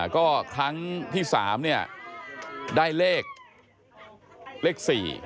ก็ครั้งที่๓เนี่ยได้เลข๔